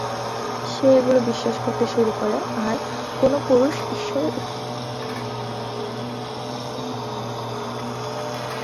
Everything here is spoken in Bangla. সে এগুলো বিশ্বাস করতে শুরু করে আর, কোনো পুরুষ ঈশ্বরের উপাসনা এবং কাল্পনিক পূর্ণ বয়স্ক প্রেমিকের কল্পনা করতে শুরু করে।